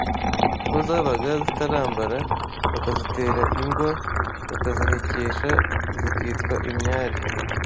kuko zabaga zitarambara bakazitera ingwa bakazihekesha, zikitwa imyari